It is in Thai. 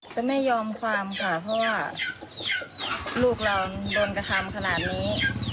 แต่แม่ยอมความค่ะเพราะว่าลูกเราโดนกระทำขนาดนี้